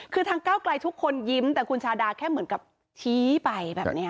คือทางก้าวไกลทุกคนยิ้มแต่คุณชาดาแค่เหมือนกับชี้ไปแบบนี้